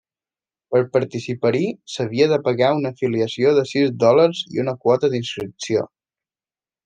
Per participar-hi s'havia de pagar una afiliació de sis dòlars i una quota d'inscripció.